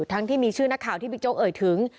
ที่มีชื่อนักข่าวที่บิ๊กโจ๊กเอ่ยถึง